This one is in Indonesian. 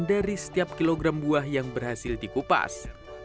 dari setiap kilogram buah yang berhasil dikupas